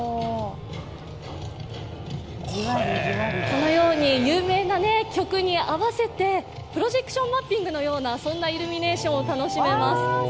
このように有名な曲に合わせてプロジェクションマッピングのような、そんなイルミネーションを楽しめます。